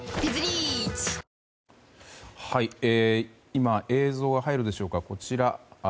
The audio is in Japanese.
今映像が入るでしょうか。